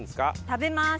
食べます。